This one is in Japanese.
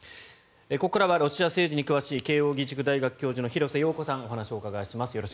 ここからはロシア政治に詳しい慶応義塾大学教授の廣瀬陽子さんにお話をお伺いします。